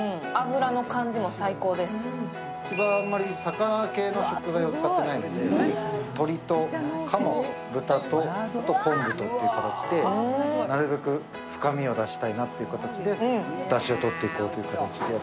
うちはあんまり魚系の食材を使ってないので、鶏とかも、豚と昆布でとってなるべく深みを出したいなという形でだしを取っていこうという形で。